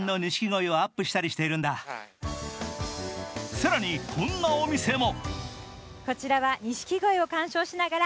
更に、こんなお店も。